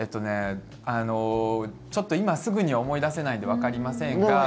ちょっと今すぐには思い出せないのでわかりませんが。